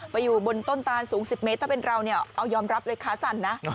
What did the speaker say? อยู่บนต้นตานสูง๑๐เมตรถ้าเป็นเราเนี่ยเอายอมรับเลยขาสั่นนะ